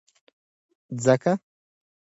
ځکه